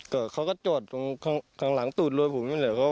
ครับผมก็นึกว่าเป็นน้องเผยว่าส่วนมากจะมีแล้วมันวิ่งคนเดียว